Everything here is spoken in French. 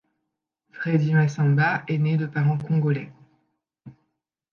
Fredy Massamba est né de parents congolais.